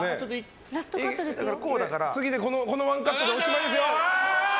このワンカットでおしまいですよ。